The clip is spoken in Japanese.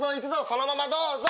そのままどうぞ。